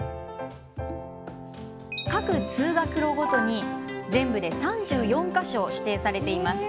各通学路ごとに、全部で３４か所指定されています。